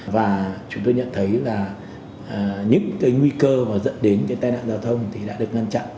và chúng tôi nhận thấy là những nguy cơ dẫn đến tai nạn giao thông đã được ngăn chặn